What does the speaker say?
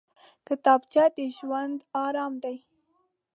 کتابچه د ژوند ارام دی